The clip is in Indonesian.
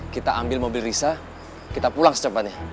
kita ambil mobil risa kita pulang secepatnya